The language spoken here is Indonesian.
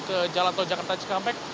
ke jalan tol jakarta cikampek